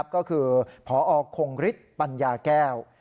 ก็คือพอคงฤทธิ์ปัญญาแก้ว